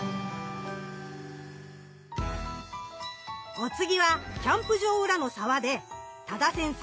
お次はキャンプ場裏の沢で多田先生